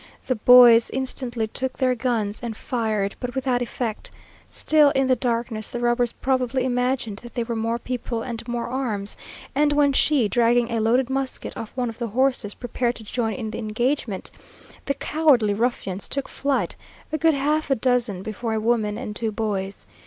The boys instantly took their guns, and fired, but without effect. Still, in the darkness, the robbers probably imagined that there were more people and more arms, and when she, dragging a loaded musket off one of the horses, prepared to join in the engagement, the cowardly ruffians took flight a good half dozen before a woman and two boys.